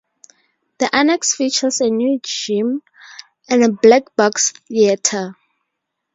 The annex features a new gym and a black box theater.